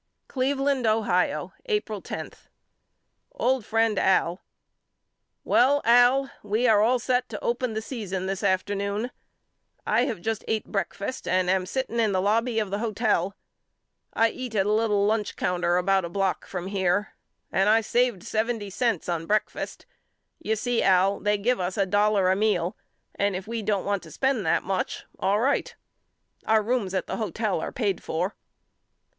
Cleveland, Ohio, April 10. OLD FRIEND AL: Well Al we are all set to open the season this afternoon. I have just ate breakfast and I am sitting in the lobby of the hotel. I eat at a little lunch counter about a block from here and I saved seventy cents on breakfast. You see Al they give us a dollar a meal and if we don't want to spend that much all right. Our rooms at the hotel are paid for.